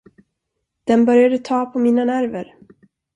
Den började ta på mina nerver.